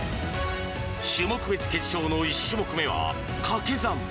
種目別決勝の１種目めはかけ算。